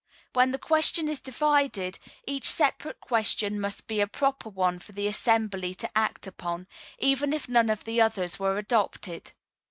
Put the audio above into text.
When the question is divided, each separate question must be a proper one for the assembly to act upon, even if none of the others were adopted.